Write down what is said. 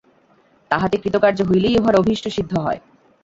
তাহাতে কৃতকার্য হইলেই উহার অভীষ্ট সিদ্ধ হয়।